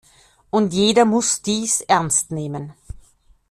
Und jeder muss dies ernst nehmen.